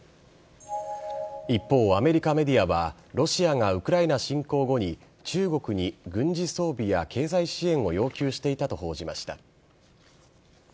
一方、アメリカメディアはロシアがウクライナ侵攻後に中国に軍事装備や経済支援を要求していたと報じました。